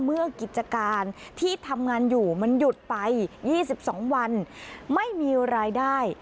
กิจการที่ทำงานอยู่มันหยุดไป๒๒วันไม่มีรายได้